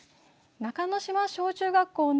中之島小中学校の